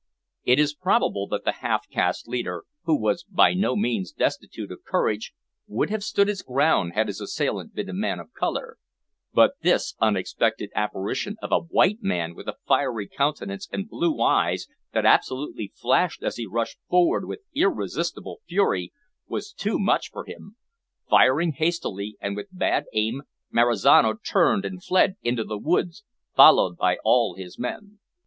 It is probable that the half caste leader, who was by no means destitute of courage, would have stood his ground had his assailant been a man of colour, but this unexpected apparition of a white man with a fiery countenance and blue eyes that absolutely flashed as he rushed forward with irresistible fury, was too much for him. Firing hastily, and with bad aim, Marizano turned and fled into the woods, followed by all his men.